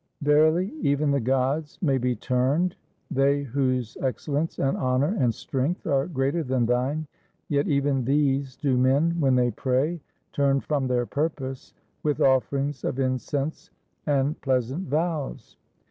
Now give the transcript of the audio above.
"Verily even the gods may be turned, they whose excellence and honor and strength are greater than thine; yet even these do men, when they pray, turn from their purpose with offerings of incense and pleasant vows."